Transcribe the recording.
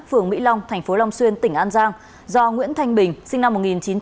phường mỹ long thành phố long xuyên tỉnh an giang do nguyễn thanh bình sinh năm một nghìn chín trăm tám mươi